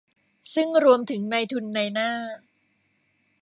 ซึ่งรวมถึงนายทุนนายหน้า